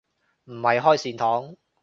唔係開善堂